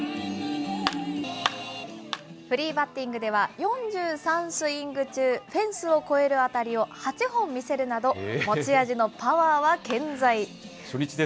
フリーバッティングでは、４３スイング中、フェンスを越える当たりを８本見せるなど、持ち味のパワーは健在。